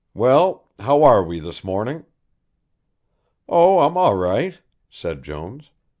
Well, how are we this morning?" "Oh, I'm all right," said Jones.